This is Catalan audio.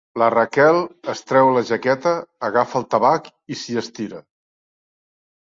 La Raquel es treu la jaqueta, agafa el tabac i s'hi estira.